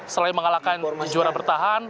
selain mengalahkan juara bertahan